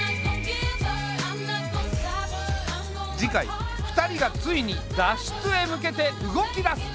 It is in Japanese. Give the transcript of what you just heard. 次回２人がついに脱出へ向けて動き出す。